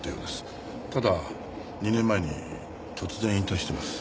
ただ２年前に突然引退してます。